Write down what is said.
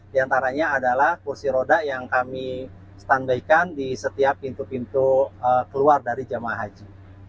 di antaranya adalah kursi roda yang kami stand by kan di setiap pintu pintu keluar dari jamaah haji